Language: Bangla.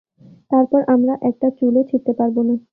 তারপর আমরা একটা চুলও ছিড়তে পারব না!